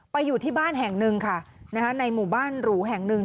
อยู่ที่บ้านแห่งหนึ่งค่ะในหมู่บ้านหรูแห่งหนึ่ง